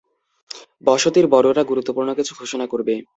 বসতির বড়রা গুরুত্বপূর্ণ কিছু ঘোষণা করবে।